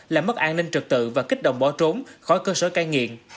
làm mất an ninh trực tự và kích động bỏ trốn khỏi cơ sở cai nghiện